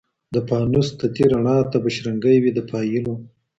د پانوس تتي رڼا ته به شرنګی وي د پایلو